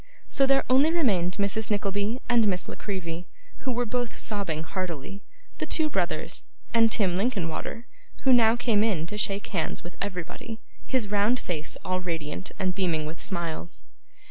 So there only remained Mrs Nickleby and Miss La Creevy, who were both sobbing heartily; the two brothers; and Tim Linkinwater, who now came in to shake hands with everybody: his round face all radiant and beaming with smiles.